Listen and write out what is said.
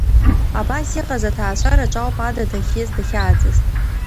Абас иҟаз аҭаацәараҿы ауп Ада дахьиз, дахьааӡаз.